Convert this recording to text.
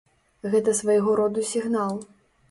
Гэта свайго роду сігнал.